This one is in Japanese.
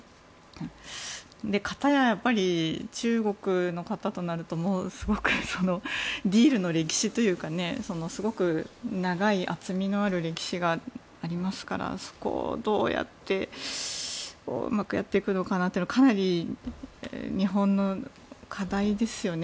かたや、中国の方となるとディールの歴史というかすごく長い厚みのある歴史がありますからそこをどうやってうまくやっていくのかなというのは日本の課題ですよね。